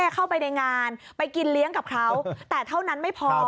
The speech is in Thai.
เข้าไปในงานไปกินเลี้ยงกับเขาแต่เท่านั้นไม่พอ